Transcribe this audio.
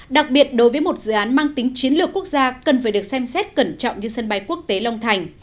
đặc biệt đối với một dự án mang tính chiến lược quốc gia cần phải được xem xét cẩn trọng như sân bay quốc tế long thành